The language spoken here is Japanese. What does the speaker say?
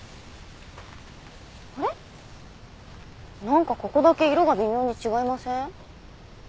なんかここだけ色が微妙に違いません？